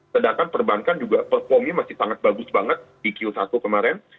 sedangkan perbankan juga performnya masih sangat bagus banget di q satu kemarin